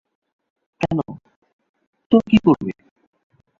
কেন, তোর কী করবে?